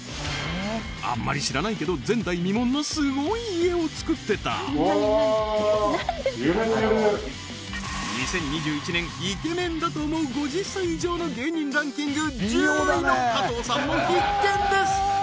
あんまり知らないけど前代未聞のスゴい家を作ってた２０２１年イケメンだと思う５０歳以上の芸人ランキング１０位の加藤さんも必見です